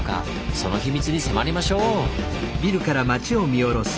その秘密に迫りましょう！